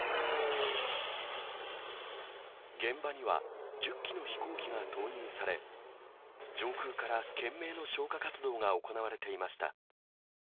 現場には１０機の飛行機が投入され、上空から懸命の消火活動が行われていました。